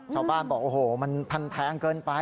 ชาวบ้านบอกโอ้โหมันพันแพงเกินไป